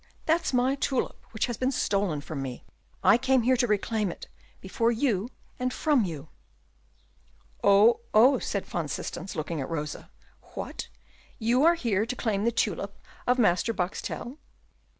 that's my tulip, which has been stolen from me. I came here to reclaim it before you and from you." "Oh! oh!" said Van Systens, looking at Rosa. "What! you are here to claim the tulip of Master Boxtel?